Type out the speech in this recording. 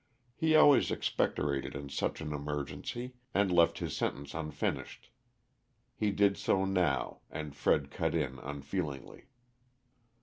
He always expectorated in such an emergency, and left his sentence unfinished. He did so now, and Fred cut in unfeelingly.